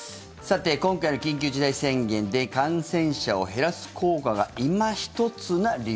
今回の緊急事態宣言で感染者を減らす効果がいま一つな理由。